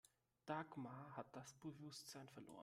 Dagmar hat das Bewusstsein verloren.